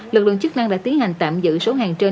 lực lượng chức năng đã tiến hành tạm giữ số hàng trên